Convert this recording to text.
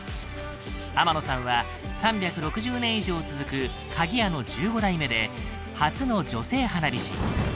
天野さんは３６０年以上続く鍵屋の１５代目で初の女性花火師